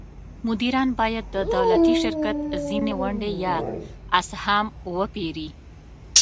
مدیران باید د دولتي شرکت ځینې ونډې یا اسهام وپیري.